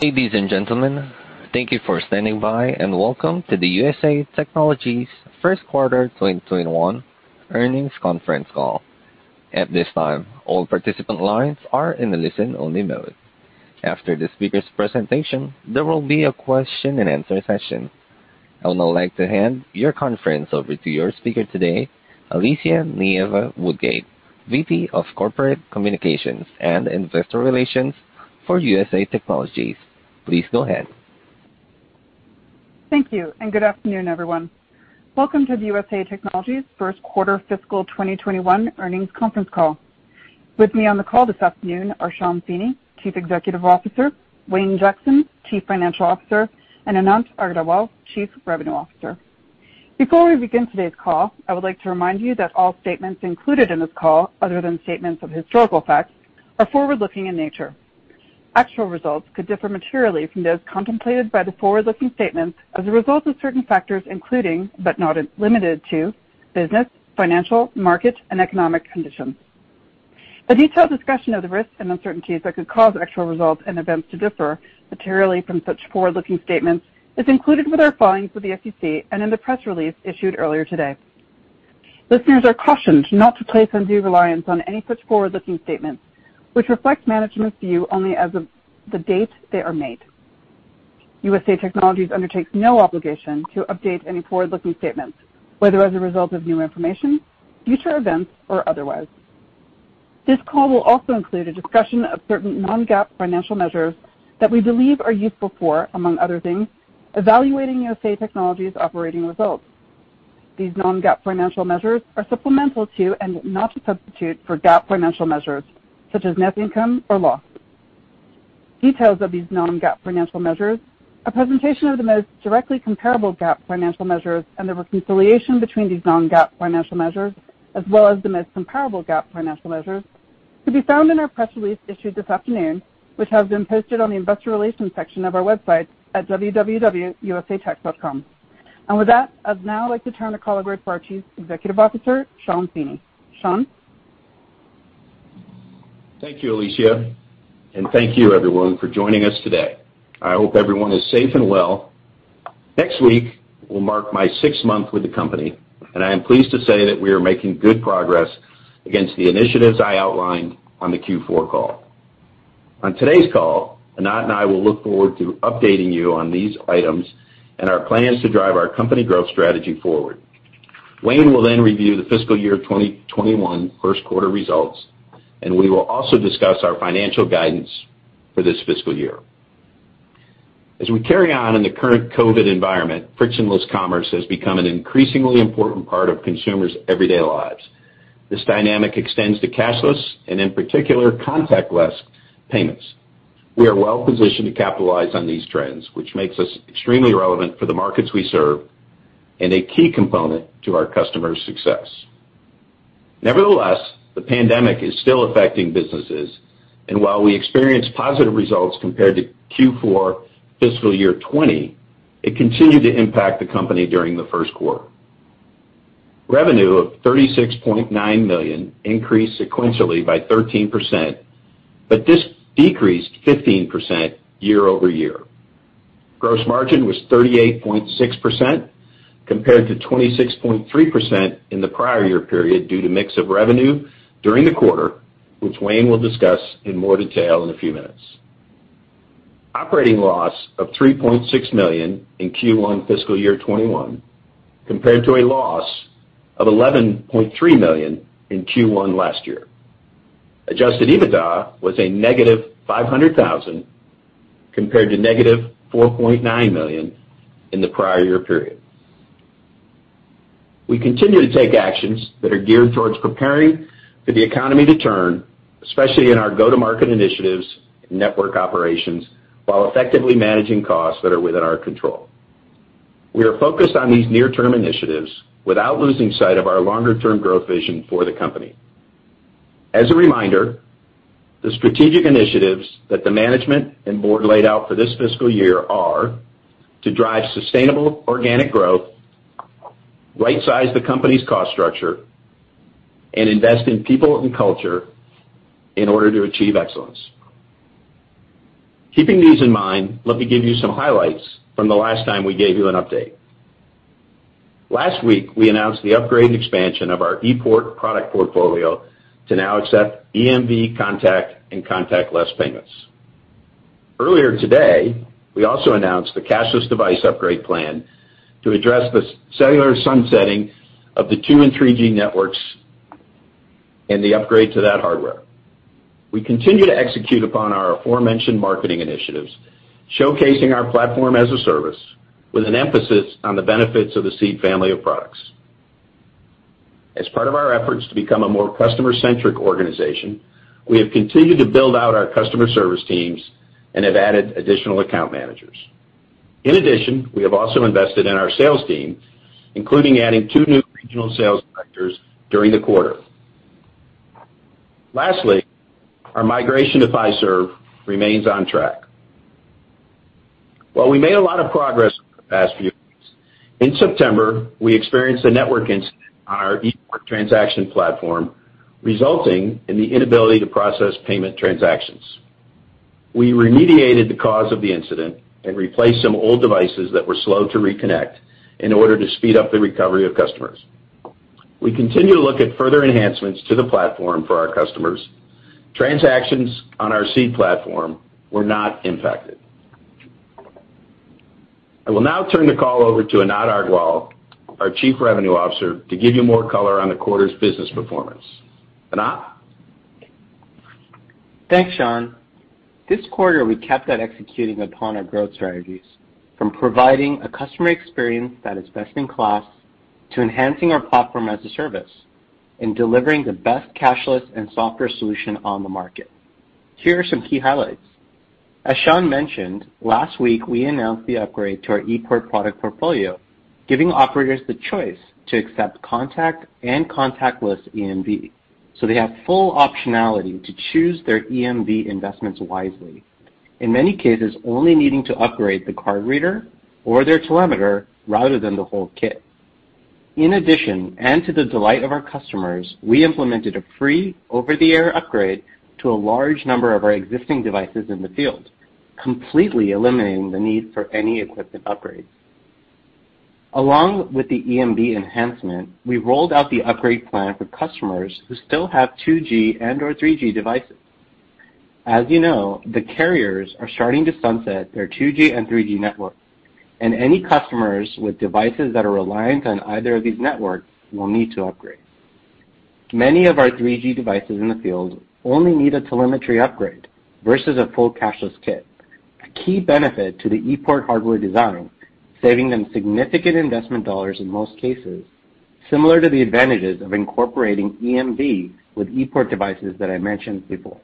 Ladies and gentlemen, thank you for standing by, and welcome to the USA Technologies first quarter 2021 earnings conference call. At this time, all participant lines are in a listen-only mode. After the speaker's presentation, there will be a question and answer session. I would now like to hand your conference over to your speaker today, Alicia Nieva-Woodgate, VP of Corporate Communications and Investor Relations for USA Technologies. Please go ahead. Thank you, and good afternoon, everyone. Welcome to the USA Technologies first-quarter fiscal 2021 earnings conference call. With me on the call this afternoon are Sean Feeney, Chief Executive Officer, Wayne Jackson, Chief Financial Officer, and Anant Agrawal, Chief Revenue Officer. Before we begin today's call, I would like to remind you that all statements included in this call, other than statements of historical facts, are forward-looking in nature. Actual results could differ materially from those contemplated by the forward-looking statements as a result of certain factors, including, but not limited to, business, financial, market, and economic conditions. A detailed discussion of the risks and uncertainties that could cause actual results and events to differ materially from such forward-looking statements is included with our filings with the SEC and in the press release issued earlier today. Listeners are cautioned not to place undue reliance on any such forward-looking statements, which reflect management's view only as of the date they are made. USA Technologies undertakes no obligation to update any forward-looking statements, whether as a result of new information, future events, or otherwise. This call will also include a discussion of certain non-GAAP financial measures that we believe are useful for, among other things, evaluating USA Technologies operating results. These non-GAAP financial measures are supplemental to and not a substitute for GAAP financial measures, such as net income or loss. Details of these non-GAAP financial measures, a presentation of the most directly comparable GAAP financial measures, and the reconciliation between these non-GAAP financial measures, as well as the most comparable GAAP financial measures, could be found in our press release issued this afternoon, which has been posted on the investor relations section of our website at www.usatech.com. With that, I'd now like to turn the call over to our Chief Executive Officer, Sean Feeney. Sean? Thank you, Alicia, and thank you, everyone, for joining us today. I hope everyone is safe and well. Next week will mark my sixth month with the company, and I am pleased to say that we are making good progress against the initiatives I outlined on the Q4 call. On today's call, Anant and I will look forward to updating you on these items and our plans to drive our company growth strategy forward. Wayne will then review the fiscal year 2021 first-quarter results, and we will also discuss our financial guidance for this fiscal year. As we carry on in the current COVID environment, frictionless commerce has become an increasingly important part of consumers everyday lives. This dynamic extends to cashless and, in particular, contactless payments. We are well-positioned to capitalize on these trends, which makes us extremely relevant for the markets we serve and a key component to our customers success. Nevertheless, the pandemic is still affecting businesses, and while we experienced positive results compared to Q4 fiscal year 2020, it continued to impact the company during the first quarter. Revenue of $36.9 million increased sequentially by 13%. This decreased 15% year-over-year. Gross margin was 38.6%, compared to 26.3% in the prior year period due to mix of revenue during the quarter, which Wayne will discuss in more detail in a few minutes. Operating loss of $3.6 million in Q1 fiscal year 2021, compared to a loss of $11.3 million in Q1 last year. Adjusted EBITDA was a negative $500,000, compared to negative $4.9 million in the prior year period. We continue to take actions that are geared towards preparing for the economy to turn, especially in our go-to-market initiatives and network operations, while effectively managing costs that are within our control. We are focused on these near-term initiatives without losing sight of our longer-term growth vision for the company. As a reminder, the strategic initiatives that the management and board laid out for this fiscal year are to drive sustainable organic growth, right-size the company's cost structure, and invest in people and culture in order to achieve excellence. Keeping these in mind, let me give you some highlights from the last time we gave you an update. Last week, we announced the upgrade and expansion of our ePort product portfolio to now accept EMV contact and contactless payments. Earlier today, we also announced the cashless device upgrade plan to address the cellular sunsetting of the two and 3G networks and the upgrade to that hardware. We continue to execute upon our aforementioned marketing initiatives, showcasing our Platform as a Service with an emphasis on the benefits of the Seed family of products. In addition, we have continued to build out our customer service teams and have added additional account managers. In addition, we have also invested in our sales team, including adding two new regional sales directors during the quarter. Lastly, our migration to Fiserv remains on track. While we made a lot of progress over the past few. In September, we experienced a network incident on our ePort transaction platform, resulting in the inability to process payment transactions. We remediated the cause of the incident and replaced some old devices that were slow to reconnect in order to speed up the recovery of customers. We continue to look at further enhancements to the platform for our customers. Transactions on our Seed platform were not impacted. I will now turn the call over to Anant Agrawal, our Chief Revenue Officer, to give you more color on the quarter's business performance. Anant? Thanks, Sean. This quarter, we kept at executing upon our growth strategies, from providing a customer experience that is best in class, to enhancing our Platform as a Service and delivering the best cashless and software solution on the market. Here are some key highlights. As Sean mentioned, last week, we announced the upgrade to our ePort product portfolio, giving operators the choice to accept contact and contactless EMV, so they have full optionality to choose their EMV investments wisely, in many cases, only needing to upgrade the card reader or their telemeter rather than the whole kit. In addition, and to the delight of our customers, we implemented a free over-the-air upgrade to a large number of our existing devices in the field, completely eliminating the need for any equipment upgrades. Along with the EMV enhancement, we rolled out the upgrade plan for customers who still have 2G and/or 3G devices. As you know, the carriers are starting to sunset their 2G and 3G networks. Any customers with devices that are reliant on either of these networks will need to upgrade. Many of our 3G devices in the field only need a telemetry upgrade versus a full cashless kit, a key benefit to the ePort hardware design, saving them significant investment dollars in most cases, similar to the advantages of incorporating EMV with ePort devices that I mentioned before.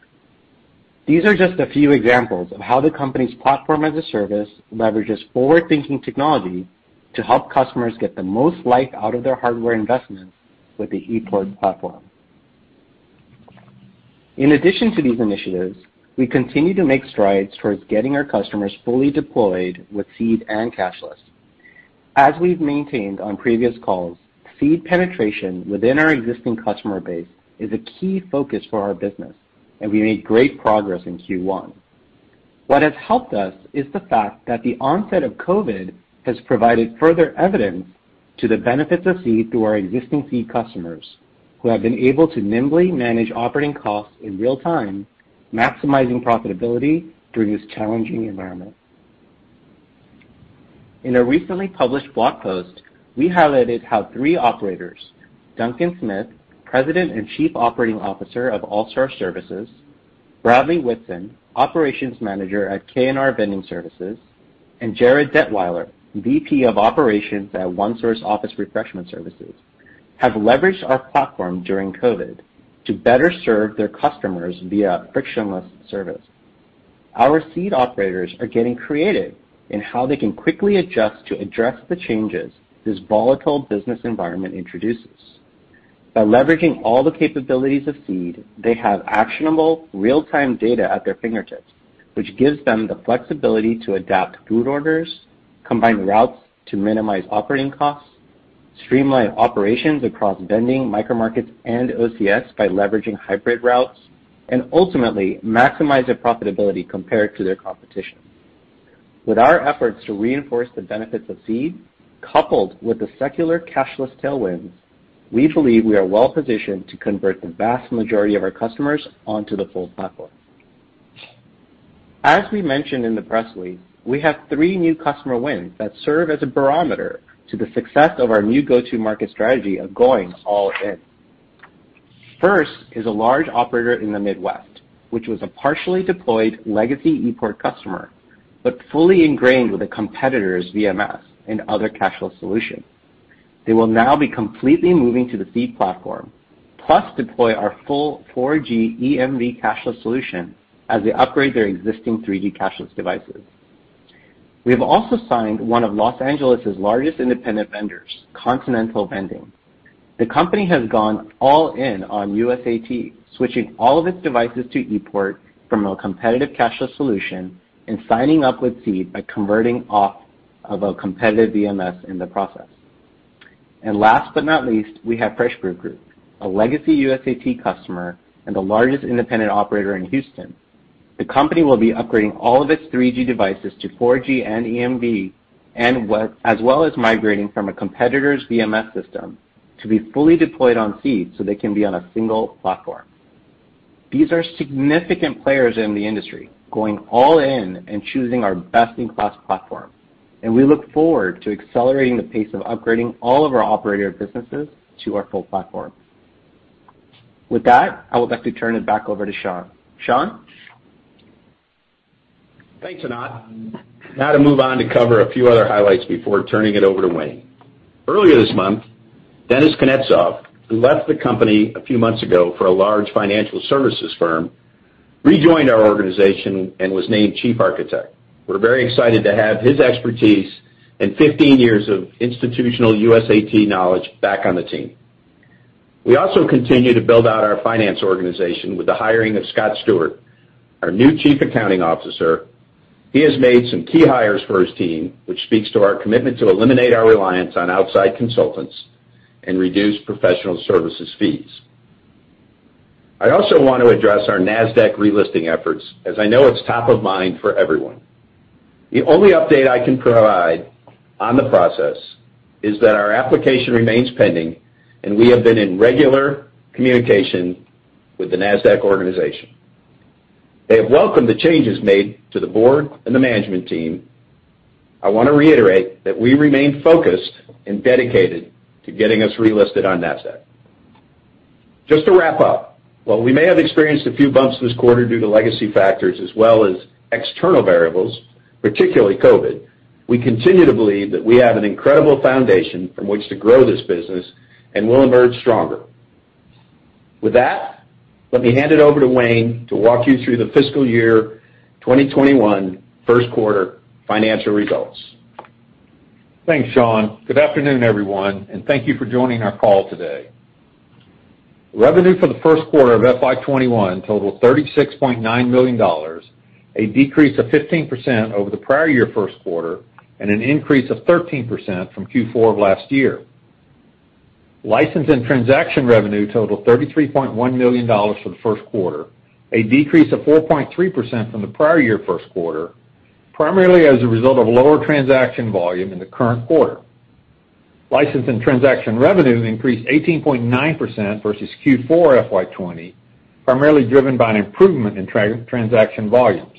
These are just a few examples of how the company's Platform as a Service leverages forward-thinking technology to help customers get the most life out of their hardware investments with the ePort platform. In addition to these initiatives, we continue to make strides towards getting our customers fully deployed with Seed and cashless. As we've maintained on previous calls, Seed penetration within our existing customer base is a key focus for our business, and we made great progress in Q1. What has helped us is the fact that the onset of COVID has provided further evidence to the benefits of Seed through our existing Seed customers, who have been able to nimbly manage operating costs in real time, maximizing profitability through this challenging environment. In a recently published blog post, we highlighted how three operators, Duncan Smith, President and Chief Operating Officer of All Star Services, Bradley Whitson, Operations Manager at K&R Vending Services, and Jared Detwiler, VP of Operations at One Source Office Refreshment Services, have leveraged our platform during COVID to better serve their customers via frictionless service. Our Seed operators are getting creative in how they can quickly adjust to address the changes this volatile business environment introduces. By leveraging all the capabilities of Seed, they have actionable real-time data at their fingertips, which gives them the flexibility to adapt food orders, combine routes to minimize operating costs, streamline operations across vending, micro markets, and OCS by leveraging hybrid routes, and ultimately maximize their profitability compared to their competition. With our efforts to reinforce the benefits of Seed, coupled with the secular cashless tailwind, we believe we are well-positioned to convert the vast majority of our customers onto the full platform. As we mentioned in the press release, we have three new customer wins that serve as a barometer to the success of our new go-to market strategy of going all in. First is a large operator in the Midwest, which was a partially deployed legacy ePort customer, but fully ingrained with a competitor's VMS and other cashless solutions. They will now be completely moving to the Seed platform, plus deploy our full 4G EMV cashless solution as they upgrade their existing 3G cashless devices. We have also signed one of L.A.'s largest independent vendors, Continental Vending. The company has gone all in on USAT, switching all of its devices to ePort from a competitive cashless solution and signing up with Seed by converting off of a competitive VMS in the process. Last but not least, we have FreshBrew Group, a legacy USAT customer and the largest independent operator in Houston. The company will be upgrading all of its 3G devices to 4G and EMV, as well as migrating from a competitor's VMS system to be fully deployed on Seed so they can be on a single platform. These are significant players in the industry, going all in and choosing our best-in-class platform, and we look forward to accelerating the pace of upgrading all of our operator businesses to our full platform. With that, I would like to turn it back over to Sean. Sean? Thanks, Anant. Now to move on to cover a few other highlights before turning it over to Wayne. Earlier this month, Denis Kuznetsov, who left the company a few months ago for a large financial services firm, rejoined our organization and was named Chief Architect. We're very excited to have his expertise and 15 years of institutional USAT knowledge back on the team. We also continue to build out our finance organization with the hiring of Scott Stewart, our new Chief Accounting Officer. He has made some key hires for his team, which speaks to our commitment to eliminate our reliance on outside consultants and reduce professional services fees. I also want to address our Nasdaq relisting efforts, as I know it's top of mind for everyone. The only update I can provide on the process is that our application remains pending, and we have been in regular communication with the Nasdaq organization. They have welcomed the changes made to the board and the management team. I want to reiterate that we remain focused and dedicated to getting us relisted on Nasdaq. Just to wrap up, while we may have experienced a few bumps this quarter due to legacy factors as well as external variables, particularly COVID, we continue to believe that we have an incredible foundation from which to grow this business and will emerge stronger. With that, let me hand it over to Wayne to walk you through the fiscal year 2021 first quarter financial results. Thanks, Sean. Good afternoon, everyone, and thank you for joining our call today. Revenue for the first quarter of FY 2021 totaled $36.9 million, a decrease of 15% over the prior year first quarter and an increase of 13% from Q4 of last year. License and transaction revenue totaled $33.1 million for the first quarter, a decrease of 4.3% from the prior year first quarter, primarily as a result of lower transaction volume in the current quarter. License and transaction revenue increased 18.9% versus Q4 FY 2020, primarily driven by an improvement in transaction volumes.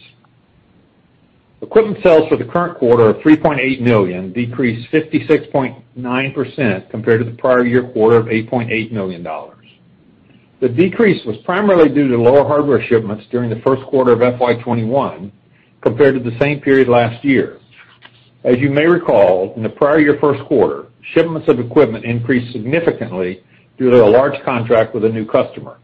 Equipment sales for the current quarter are $3.8 million, decreased 56.9% compared to the prior year quarter of $8.8 million. The decrease was primarily due to lower hardware shipments during the first quarter of FY 2021 compared to the same period last year. As you may recall, in the prior year first quarter, shipments of equipment increased significantly due to a large contract with a new customer.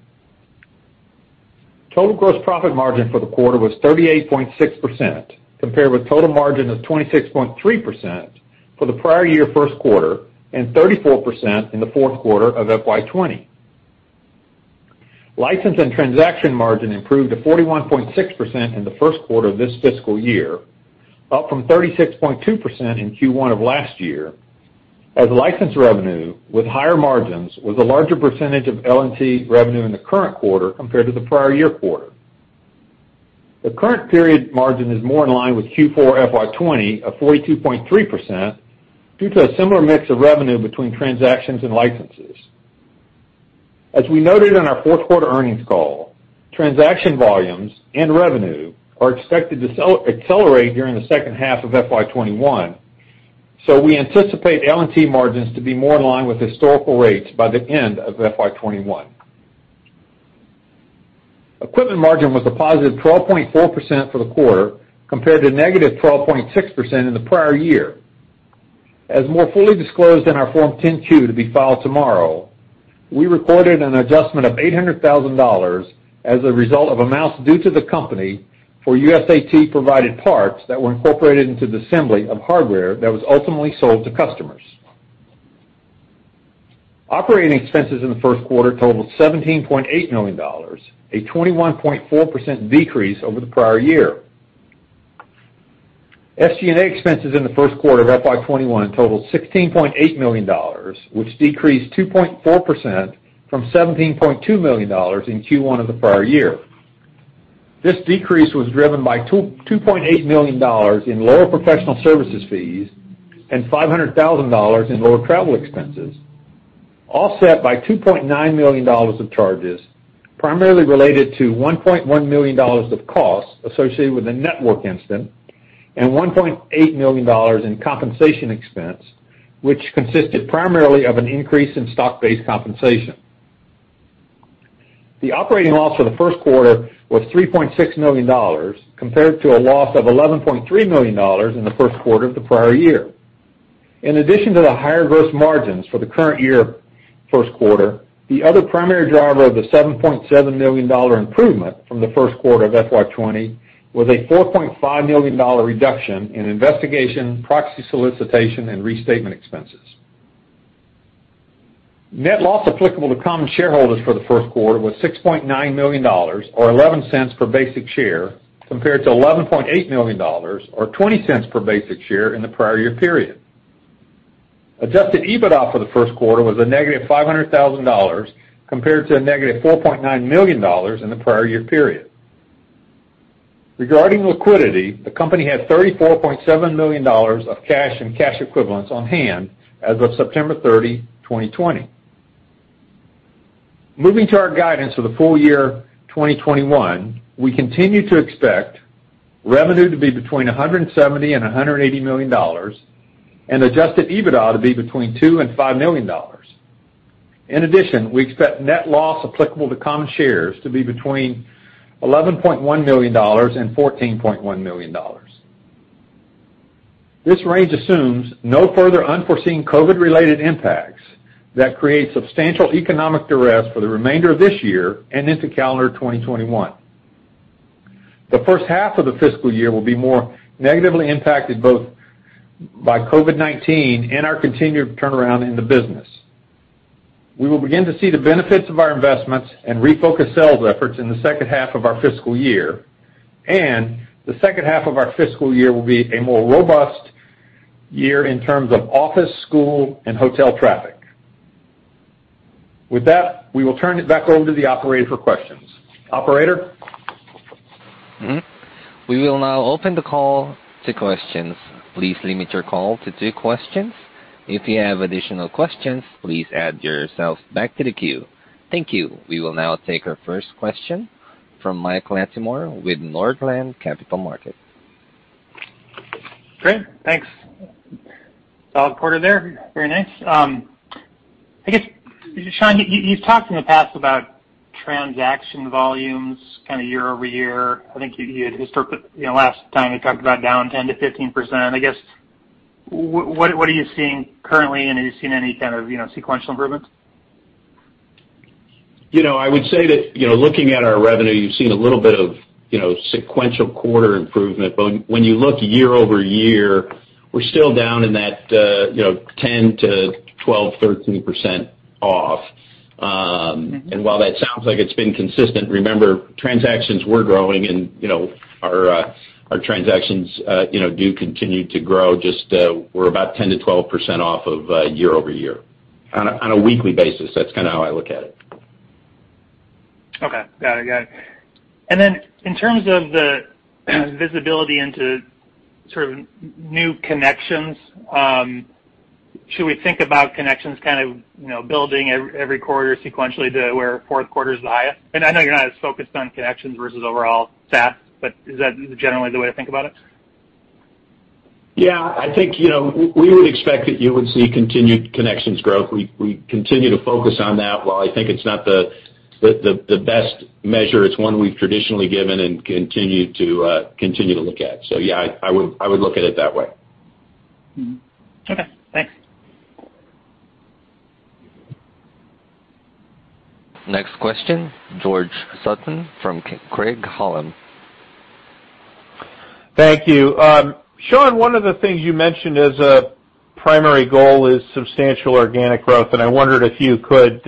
Total gross profit margin for the quarter was 38.6%, compared with total margin of 26.3% for the prior year first quarter and 34% in the fourth quarter of FY 2020. License and transaction margin improved to 41.6% in the first quarter of this fiscal year, up from 36.2% in Q1 of last year, as license revenue with higher margins was a larger percentage of L&T revenue in the current quarter compared to the prior year quarter. The current period margin is more in line with Q4 FY 2020 of 42.3% due to a similar mix of revenue between transactions and licenses. As we noted on our fourth quarter earnings call, transaction volumes and revenue are expected to accelerate during the second half of FY 2021, so we anticipate L&T margins to be more in line with historical rates by the end of FY 2021. Equipment margin was a positive 12.4% for the quarter, compared to negative 12.6% in the prior year. As more fully disclosed in our Form 10-Q to be filed tomorrow, we recorded an adjustment of $800,000 as a result of amounts due to the company for USAT-provided parts that were incorporated into the assembly of hardware that was ultimately sold to customers. Operating expenses in the first quarter totaled $17.8 million, a 21.4% decrease over the prior year. SG&A expenses in the first quarter of FY 2021 totaled $16.8 million, which decreased 2.4% from $17.2 million in Q1 of the prior year. This decrease was driven by $2.8 million in lower professional services fees and $500,000 in lower travel expenses, offset by $2.9 million of charges, primarily related to $1.1 million of costs associated with the network incident and $1.8 million in compensation expense, which consisted primarily of an increase in stock-based compensation. The operating loss for the first quarter was $3.6 million, compared to a loss of $11.3 million in the first quarter of the prior year. In addition to the higher gross margins for the current year first quarter, the other primary driver of the $7.7 million improvement from the first quarter of FY 2020 was a $4.5 million reduction in investigation, proxy solicitation, and restatement expenses. Net loss applicable to common shareholders for the first quarter was $6.9 million or $0.11 per basic share, compared to $11.8 million or $0.20 per basic share in the prior year period. Adjusted EBITDA for the first quarter was a negative $500,000, compared to a negative $4.9 million in the prior year period. Regarding liquidity, the company had $34.7 million of cash and cash equivalents on hand as of September 30, 2020. Moving to our guidance for the full year 2021, we continue to expect revenue to be between $170 and $180 million and adjusted EBITDA to be between $2 and $5 million. In addition, we expect net loss applicable to common shares to be between $11.1 million and $14.1 million. This range assumes no further unforeseen COVID-related impacts that create substantial economic duress for the remainder of this year and into calendar 2021. The first half of the fiscal year will be more negatively impacted both by COVID-19 and our continued turnaround in the business. We will begin to see the benefits of our investments and refocused sales efforts in the second half of our fiscal year. The second half of our fiscal year will be a more robust year in terms of office, school, and hotel traffic. With that, we will turn it back over to the operator for questions. Operator? We will now open the call to questions. Please limit your call to two questions. If you have additional questions, please add yourself back to the queue. Thank you. We will now take our first question from Michael Latimore with Northland Capital Markets. Great. Thanks. Solid quarter there. Very nice. I guess, Sean, you've talked in the past about transaction volumes year-over-year. I think you had historically last time you talked about down 10%-15%. I guess, what are you seeing currently, and are you seeing any kind of sequential improvements? I would say that, looking at our revenue, you've seen a little bit of sequential quarter improvement. When you look year-over-year, we're still down in that 10%-12%, 13% off. While that sounds like it's been consistent, remember, transactions were growing and our transactions do continue to grow, just we're about 10%-12% off of year-over-year. On a weekly basis, that's kind of how I look at it. Okay. Got it. In terms of the visibility into sort of new connections, should we think about connections kind of building every quarter sequentially to where fourth quarter's the highest? I know you're not as focused on connections versus overall SaaS, but is that generally the way to think about it? Yeah, I think we would expect that you would see continued connections growth. We continue to focus on that. While I think it's not the best measure, it's one we've traditionally given and continue to look at. Yeah, I would look at it that way. Mm-hmm. Okay, thanks. Next question, George Sutton from Craig-Hallum. Thank you. Sean, one of the things you mentioned as a primary goal is substantial organic growth, and I wondered if you could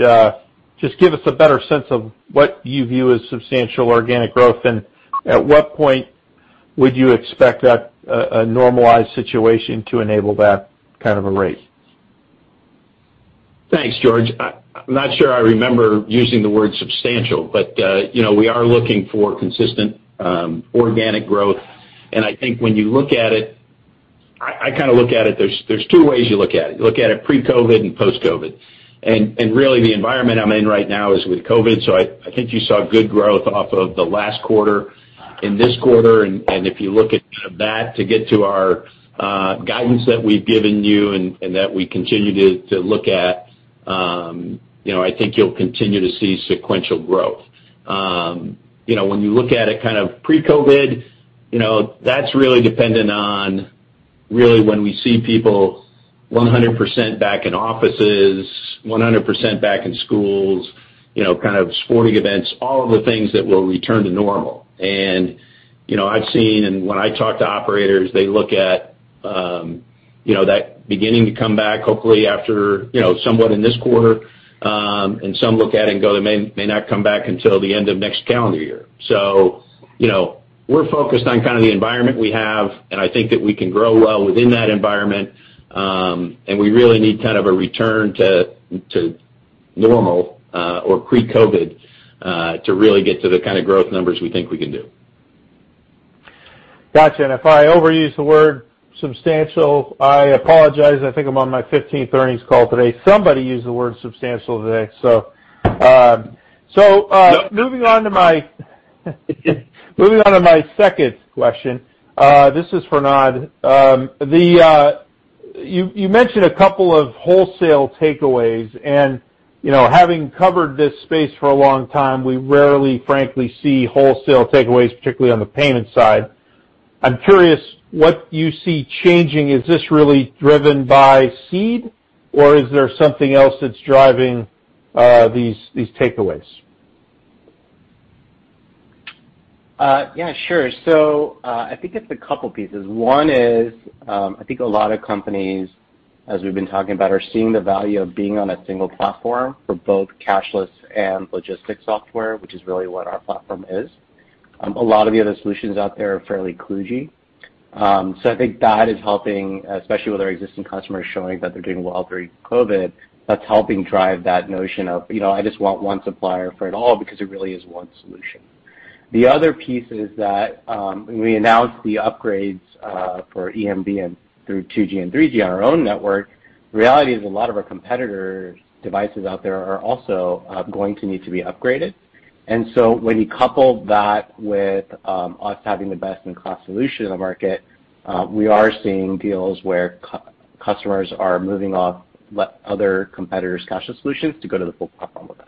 just give us a better sense of what you view as substantial organic growth, and at what point would you expect a normalized situation to enable that kind of a rate? Thanks, George. I'm not sure I remember using the word substantial, but we are looking for consistent organic growth. I think when you look at it, I kind of look at it, there's two ways you look at it. You look at it pre-COVID and post-COVID. Really the environment I'm in right now is with COVID, so I think you saw good growth off of the last quarter and this quarter, and if you look at that to get to our guidance that we've given you and that we continue to look at, I think you'll continue to see sequential growth. When you look at it pre-COVID, that's really dependent on really when we see people 100% back in offices, 100% back in schools, sporting events, all of the things that will return to normal. I've seen, and when I talk to operators, they look at that beginning to come back hopefully somewhat in this quarter, and some look at it and go, they may not come back until the end of next calendar year. We're focused on kind of the environment we have, and I think that we can grow well within that environment. We really need kind of a return to normal, or pre-COVID, to really get to the kind of growth numbers we think we can do. Got you. If I overuse the word substantial, I apologize. I think I'm on my 15th earnings call today. Somebody used the word substantial today. Yep. Moving on to my second question, this is for Anant. You mentioned a couple of wholesale takeaways. Having covered this space for a long time, we rarely, frankly, see wholesale takeaways, particularly on the payment side. I'm curious what you see changing. Is this really driven by Seed or is there something else that's driving these takeaways? Yeah, sure. I think it's a couple pieces. One is, I think a lot of companies, as we've been talking about, are seeing the value of being on a single platform for both cashless and logistics software, which is really what our platform is. A lot of the other solutions out there are fairly kludgy. I think that is helping, especially with our existing customers showing that they're doing well during COVID, that's helping drive that notion of, I just want one supplier for it all because it really is one solution. The other piece is that, when we announced the upgrades for EMV through 2G and 3G on our own network, the reality is a lot of our competitors' devices out there are also going to need to be upgraded. When you couple that with us having the best-in-class solution in the market, we are seeing deals where customers are moving off other competitors' cashless solutions to go to the full platform with us.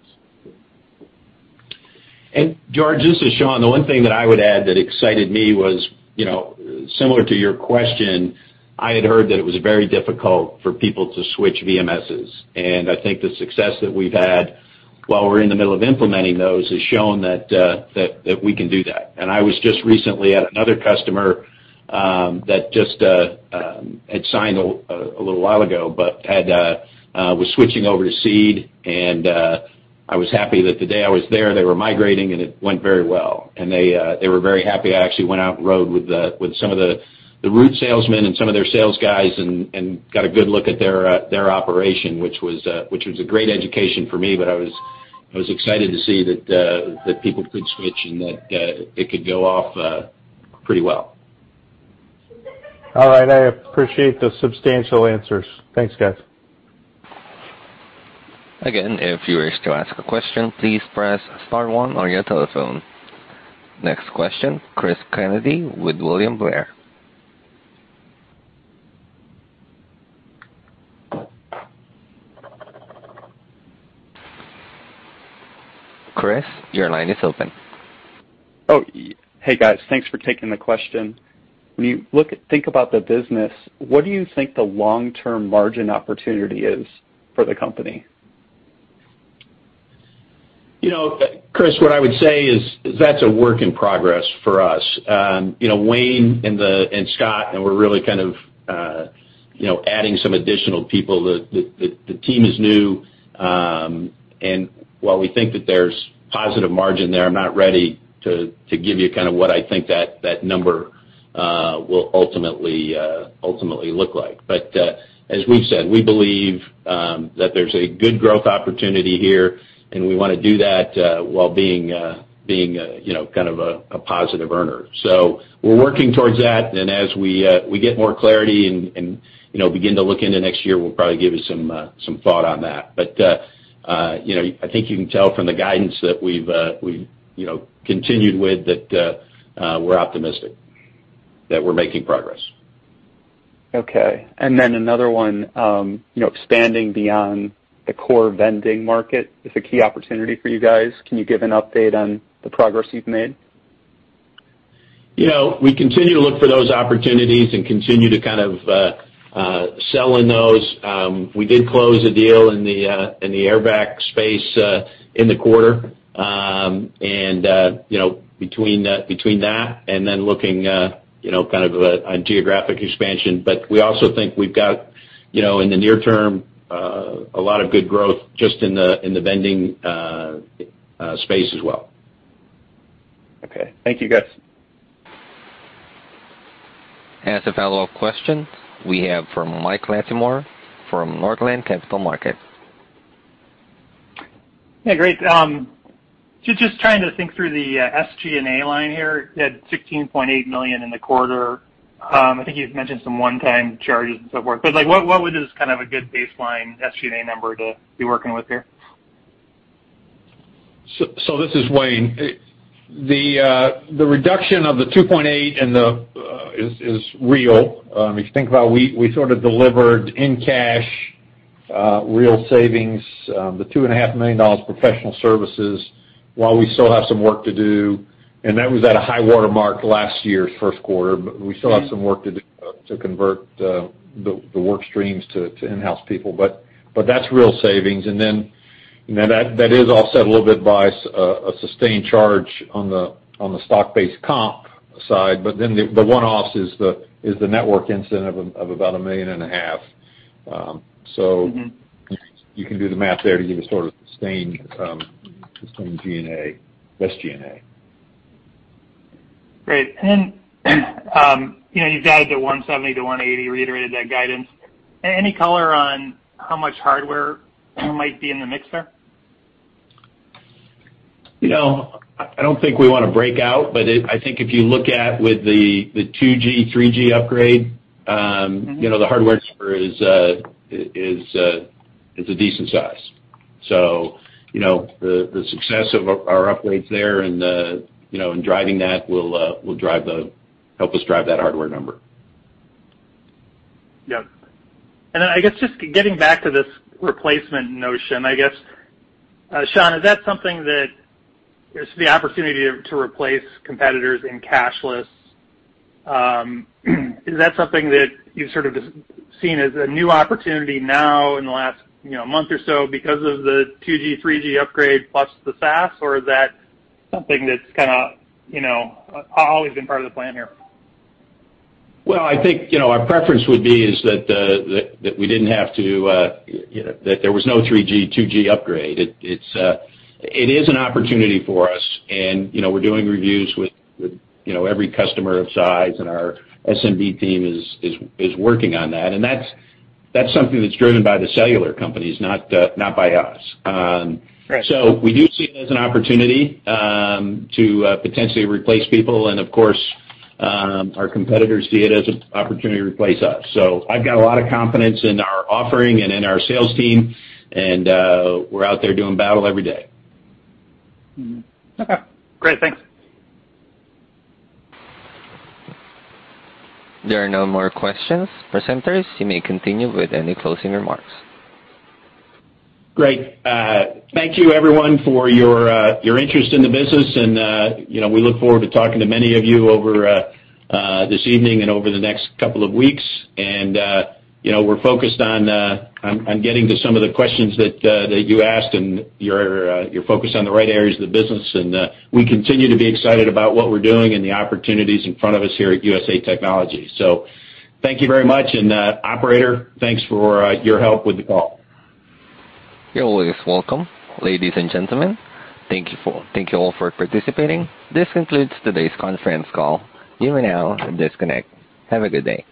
George, this is Sean. The one thing that I would add that excited me was, similar to your question, I had heard that it was very difficult for people to switch VMSs. I think the success that we've had, while we're in the middle of implementing those, has shown that we can do that. I was just recently at another customer that just had signed a little while ago, but was switching over to Seed, and I was happy that the day I was there, they were migrating, and it went very well. They were very happy. I actually went out and rode with some of the route salesmen and some of their sales guys and got a good look at their operation, which was a great education for me. I was excited to see that people could switch and that it could go off pretty well. All right. I appreciate the substantial answers. Thanks, guys. Again, if you wish to ask a question, please press star one on your telephone. Next question, Chris Kennedy with William Blair. Chris, your line is open. Oh, hey, guys. Thanks for taking the question. When you think about the business, what do you think the long-term margin opportunity is for the company? Chris, what I would say is that's a work in progress for us. Wayne and Scott, we're really kind of adding some additional people. The team is new. While we think that there's positive margin there, I'm not ready to give you kind of what I think that number will ultimately look like. As we've said, we believe that there's a good growth opportunity here. We want to do that while being kind of a positive earner. We're working towards that, and as we get more clarity and begin to look into next year, we'll probably give you some thought on that. I think you can tell from the guidance that we've continued with that we're optimistic that we're making progress. Okay. Another one, expanding beyond the core vending market is a key opportunity for you guys. Can you give an update on the progress you've made? We continue to look for those opportunities and continue to kind of sell in those. We did close a deal in the air/vac space in the quarter, and between that and then looking kind of on geographic expansion. We also think we've got, in the near term, a lot of good growth just in the vending space as well. Okay. Thank you, guys. As a follow-up question, we have from Mike Latimore from Northland Capital Markets. Yeah, great. Just trying to think through the SG&A line here. You had $16.8 million in the quarter. I think you've mentioned some one-time charges and so forth, what would this kind of a good baseline SG&A number to be working with here? This is Wayne. The reduction of the 2.8 is real. If you think about it, we sort of delivered in cash real savings, the $2.5 million professional services, while we still have some work to do, and that was at a high watermark last year's first quarter. We still have some work to do to convert the work streams to in-house people. That's real savings. That is offset a little bit by a sustained charge on the stock-based comp side. The one-off is the network incident of about $1.5 million. You can do the math there to give a sort of sustained SG&A. Great. You've guided to $170-$180, reiterated that guidance. Any color on how much hardware might be in the mix there? I don't think we want to break out, I think if you look at with the 2G, 3G upgrade, the hardware is a decent size. The success of our upgrades there and driving that will help us drive that hardware number. Yep. Then I guess just getting back to this replacement notion, I guess, Sean, is that something that is the opportunity to replace competitors in cashless? Is that something that you've sort of just seen as a new opportunity now in the last month or so because of the 2G, 3G upgrade plus the SaaS? Is that something that's kind of always been part of the plan here? Well, I think our preference would be is that there was no 3G, 2G upgrade. It is an opportunity for us, and we're doing reviews with every customer of size, and our SMB team is working on that. That's something that's driven by the cellular companies, not by us. Right. We do see it as an opportunity to potentially replace people. Of course, our competitors see it as an opportunity to replace us. I've got a lot of confidence in our offering and in our sales team, and we're out there doing battle every day. Okay, great. Thanks. There are no more questions. Presenters, you may continue with any closing remarks. Great. Thank you everyone for your interest in the business, and we look forward to talking to many of you over this evening and over the next couple of weeks. We're focused on getting to some of the questions that you asked, and you're focused on the right areas of the business, and we continue to be excited about what we're doing and the opportunities in front of us here at USA Technologies. Thank you very much. Operator, thanks for your help with the call. You're always welcome. Ladies and gentlemen, thank you all for participating. This concludes today's conference call. You may now disconnect. Have a good day.